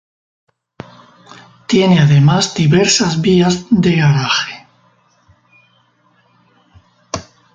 Tiene además diversas vías de garaje.